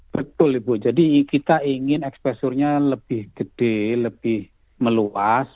betul ibu jadi kita ingin ekspressure nya lebih gede lebih meluas